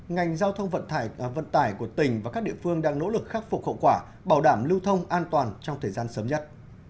ngành giao thông vận tải của tỉnh và các địa phương đang nỗ lực khắc phục khẩu quả bảo đảm lưu thông an toàn trong thời gian sớm nhất